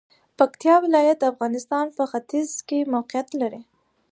پکتیا ولایت د افغانستان په ختیځ کې موقعیت لري.